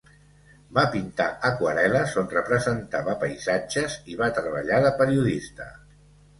Va pintar aquarel·les on representava paisatges i va treballar de periodista.